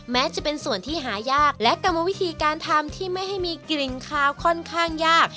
แม้จะเป็นส่วนที่หายากและกรรมวิธีการทำที่ไม่ให้มีกลิ่นคาวค่อนข้างยาก